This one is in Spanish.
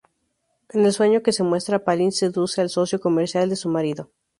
En el sueño que se muestra, Palin seduce al socio comercial de su marido.